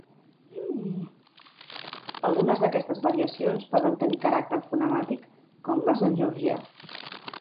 Algunes d'aquestes variacions poden tenir caràcter fonemàtic, com passa en georgià.